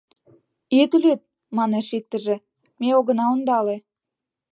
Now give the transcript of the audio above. — Ит лӱд, манеш иктыже, ме огына ондале.